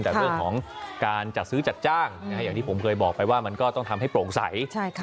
แต่เรื่องของการจัดซื้อจัดจ้างอย่างที่ผมเคยบอกไปว่ามันก็ต้องทำให้โปร่งใส